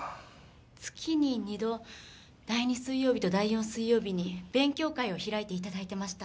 月に２度第２水曜日と第４水曜日に勉強会を開いて頂いてました。